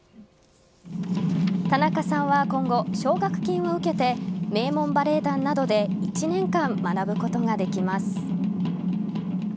田中さんは今後奨学金を受けて名門バレエ団などで１年間、学ぶことができます。